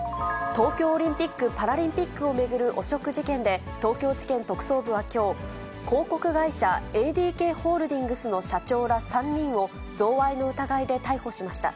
東京オリンピック・パラリンピックを巡る汚職事件で、東京地検特捜部はきょう、広告会社、ＡＤＫホールディングスの社長ら３人を贈賄の疑いで逮捕しました。